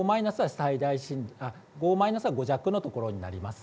５マイナスは震度５弱の所になります。